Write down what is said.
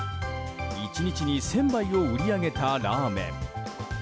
１日に１０００杯を売り上げたラーメン。